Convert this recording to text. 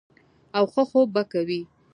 او ښۀ خوب به کوي -